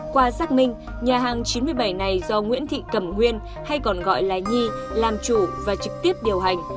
qua xác minh nhà hàng chín mươi bảy này do nguyễn thị cẩm nguyên hay còn gọi là nhi làm chủ và trực tiếp điều hành